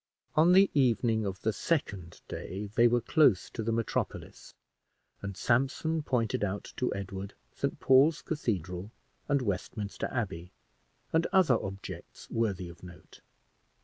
On the evening of the second day, they were close to the metropolis, and Sampson pointed out to Edward St. Paul's Cathedral and Westminster Abbey, and other objects worthy of note.